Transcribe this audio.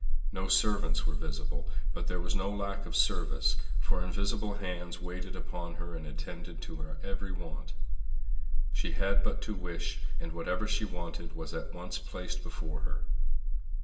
No servants were visible; but there was no lack of service, for invisible hands waited upon her and attended to her every want. She had but to wish, and whatever she wanted was at once placed before her.